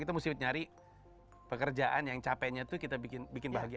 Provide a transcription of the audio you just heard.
kita mesti nyari pekerjaan yang capeknya tuh kita bikin bahagia